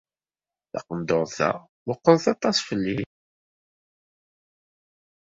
Taqenduṛt-a meqqret aṭas fell-i.